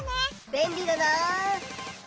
べんりだなあ。